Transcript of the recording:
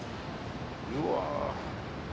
うわ。